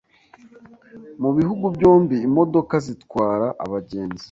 mu bihugu byombi Imodoka zitwara abagenzi